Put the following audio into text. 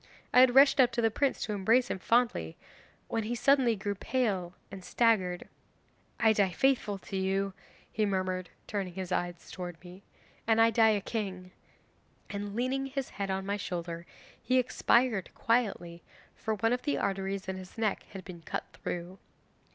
I had rushed up to the prince to embrace him fondly, when he suddenly grew pale and staggered. '"I die faithful to you," he murmured, turning his eyes towards me, "and I die a king!" and leaning his head on my shoulder he expired quietly, for one of the arteries in his neck had been cut through.